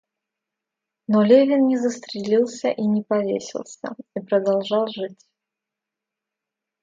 Но Левин не застрелился и не повесился и продолжал жить.